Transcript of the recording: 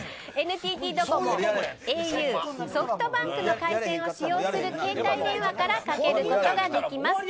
ＮＴＴドコモ、ａｕソフトバンクの回線を使用する携帯電話からかけることができます。